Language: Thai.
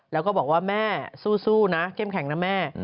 แล้วก็บอกว่าแม่สู้นะเข้มแข็งนะแม่